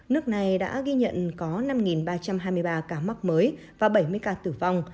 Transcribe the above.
nước này đã ghi nhận có năm ba trăm hai mươi ba ca mắc mới và bảy mươi ca tử vong